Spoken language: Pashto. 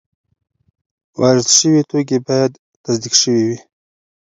وارد شوي توکي باید تصدیق شوي وي.